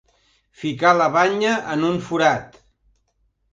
Ficar la banya en un forat.